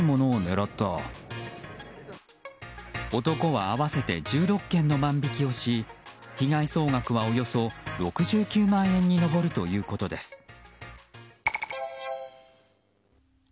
男は合わせて１６件の万引きをし被害総額は、およそ６９万円に上るということです。